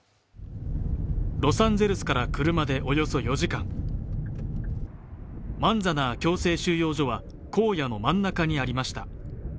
ロサンゼルスから車でおよそ４時間、マンザナー強制収容所は荒野の真ん中にありました。